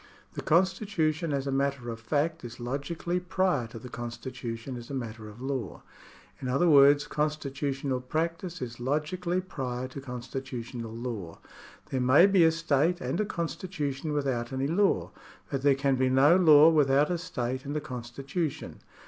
The constitution as a matter of fact is logically prior to the constitution as a matter of law. In other words constitu tional practice is logically prior to constitutional law. There may be a state and a constitution without any law, but there can be no law without a state and a constitution.